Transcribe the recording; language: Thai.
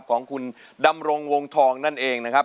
ของคุณดำรงวงทองนั่นเองนะครับ